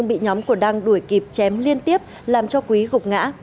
bị nhóm của đăng đuổi kịp chém liên tiếp làm cho quý gục ngã